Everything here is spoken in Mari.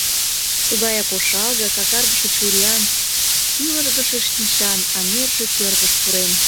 Тугаяк ошалге, какаргыше чуриян, тӱлыжгышӧ шинчан, а нерже кӧргыш пурен.